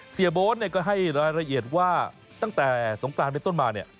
เสียโบ๊ทก็ให้รายละเอียดว่าตั้งแต่สงกรานไปต้นมาเนี่ย